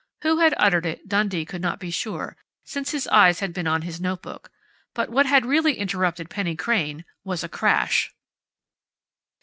Who had uttered it Dundee could not be sure, since his eyes had been on his notebook. But what had really interrupted Penny Crain was a crash.